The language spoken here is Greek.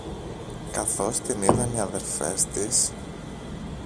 Καθώς την είδαν οι αδελφές της